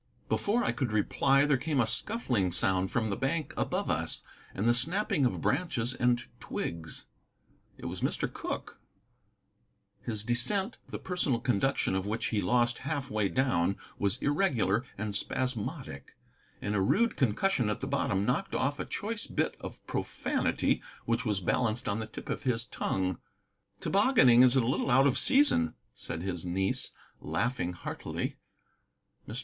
Before I could reply there came a scuffling sound from the bank above us, and the snapping of branches and twigs. It was Mr. Cooke. His descent, the personal conduction of which he lost half way down, was irregular and spasmodic, and a rude concussion at the bottom knocked off a choice bit of profanity which was balanced on the tip of his tongue. "Tobogganing is a little out of season," said his niece, laughing heartily. Mr.